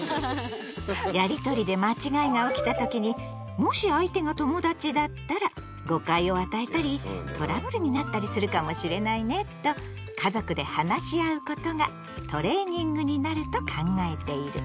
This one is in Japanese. やりとりで間違いが起きた時に「もし相手が友達だったら誤解を与えたりトラブルになったりするかもしれないね」と家族で話し合うことがトレーニングになると考えている。